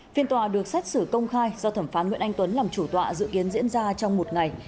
phiên tòa được xét xử công khai do thẩm phán nguyễn anh tuấn làm chủ tọa dự kiến diễn ra trong một ngày